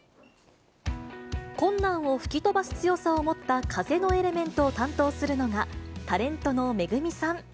困難を吹き飛ばす強さを持った風のエレメントを担当するのが、タレントのメグミさん。